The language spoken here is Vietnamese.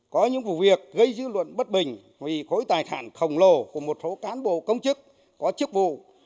có những vụ việc gây dư luận bất bình vì khối tài sản khổng lồ của một số cán bộ công chức có chức vụ